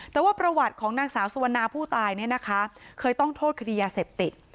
แต่ว่าประวัติของนางสาวสุวรรณาผู้ตายเนี่ยนะคะเคยต้องโทษคดียาเสพติด